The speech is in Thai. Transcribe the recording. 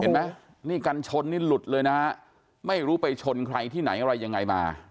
เห็นไหมนี่กันชนนี่หลุดเลยนะฮะไม่รู้ไปชนใครที่ไหนอะไรยังไงมา